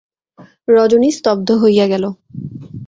রজনী স্তব্ধ হইয়া গেল।